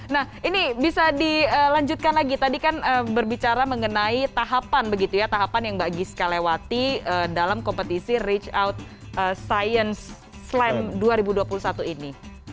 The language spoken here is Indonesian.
nah ini bisa dilanjutkan lagi tadi kan berbicara mengenai tahapan begitu ya tahapan yang mbak giska lewati dalam kompetisi reach out science slam dua ribu dua puluh satu ini